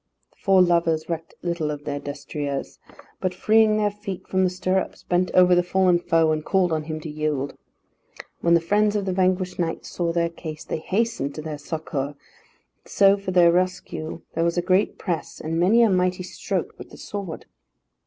The four lovers recked little of their destriers, but freeing their feet from the stirrups bent over the fallen foe, and called on him to yield. When the friends of the vanquished knights saw their case, they hastened to their succour; so for their rescue there was a great press, and many a mighty stroke with the sword.